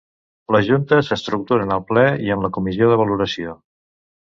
La Junta s'estructura en el Ple i en la Comissió de Valoració.